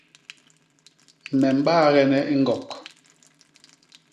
Me mbaagene i ñgok.